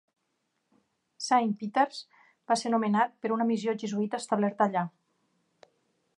Saint Peters va ser nomenat per una missió jesuïta establerta allà.